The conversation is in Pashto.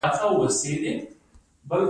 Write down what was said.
د بغلان په تاله او برفک کې څه شی شته؟